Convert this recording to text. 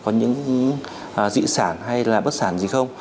có những dị sản hay là bất sản gì không